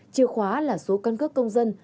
chiều khóa là số căn cấp công dân